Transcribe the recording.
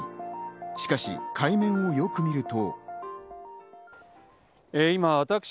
しかし海面をよく見ると。